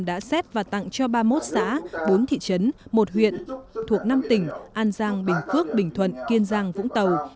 đã xét và tặng cho ba mươi một xã bốn thị trấn một huyện thuộc năm tỉnh an giang bình phước bình thuận kiên giang vũng tàu